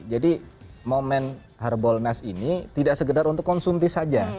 jadi momen hard bonus ini tidak segedar untuk konsumtif saja